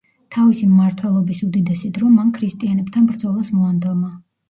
თავისი მმართველობის უდიდესი დრო, მან ქრისტიანებთან ბრძოლას მოანდომა.